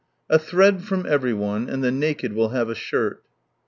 —" A thread from everyone, and the naked will have a shirt."